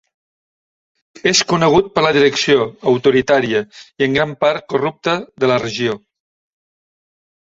És conegut per la direcció autoritària i en gran part corrupte, de la regió.